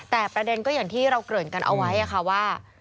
แต่ประเด็นก็อย่างที่เราเกริ่นกันเอาไว้ค่ะว่า